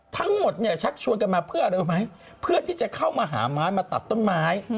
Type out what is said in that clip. ทั้งหมดเนี่ยชักชวนกันมาเพื่ออะไรรู้ไหมเพื่อที่จะเข้ามาหาไม้มาตัดต้นไม้